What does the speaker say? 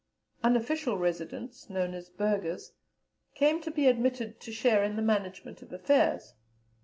Unofficial residents, known as Burghers, came to be admitted to share in the management of affairs.